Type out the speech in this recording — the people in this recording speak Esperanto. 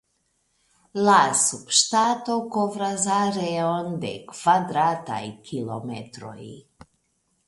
La subŝtato kovras areon de kvadrataj kilometroj.